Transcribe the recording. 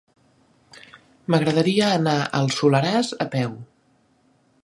M'agradaria anar al Soleràs a peu.